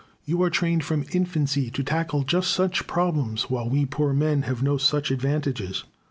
You are trained from infancy to tackle just such problems, while we poor men have no such advantages.